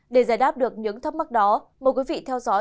để giải đáp được những thắc mắc đó mời quý vị theo dõi